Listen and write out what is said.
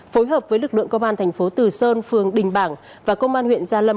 phối hợp với lực lượng công an thành phố từ sơn phường đình bảng và công an huyện gia lâm